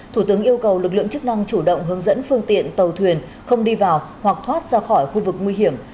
thủ tướng yêu cầu lực lượng chức năng chủ động hướng dẫn phương tiện tàu thuyền không đi vào hoặc thoát ra khỏi khu vực nguy hiểm